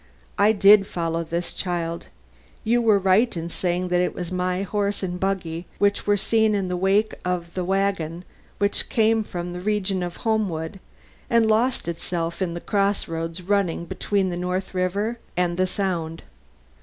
I did follow this child. You were right in saying that it was my horse and buggy which were seen in the wake of the wagon which came from the region of Homewood and lost itself in the cross roads running between the North River and the Sound.